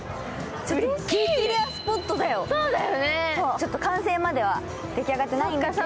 ちょっと完成までは、でき上がってないんだけど。